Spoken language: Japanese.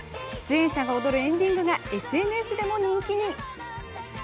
出演者が踊るエンディングがＳＮＳでも人気に。